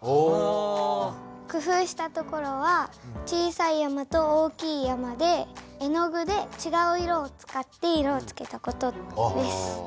工夫したところは小さい山と大きい山で絵の具でちがう色を使って色をつけた事です。